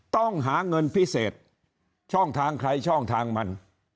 ต้องหาเงินพิเศษช่องทางใครช่องทางมัน